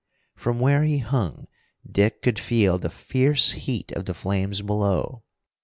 From where he hung, Dick could feel the fierce heat of the flames below.